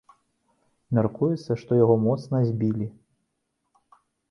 Мяркуецца, што яго моцна збілі.